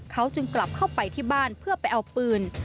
เขาจึงกลับเข้าไปที่บ้านเพื่อไปเอาปืน